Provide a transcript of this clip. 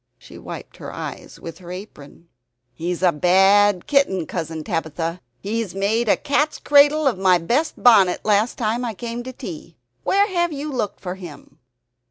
She wiped her eyes with her apron. "He's a bad kitten, Cousin Tabitha; he made a cat's cradle of my best bonnet last time I came to tea. Where have you looked for him?"